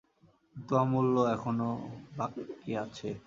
কিন্তু, অমূল্য, এখনো বাকি আছে।